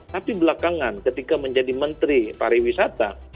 tapi belakangan ketika menjadi menteri pariwisata